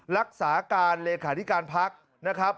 รักษาการเลขาธิการพักนะครับ